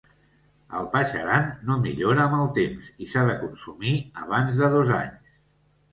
El patxaran no millora amb el temps i s'ha de consumir abans de dos anys.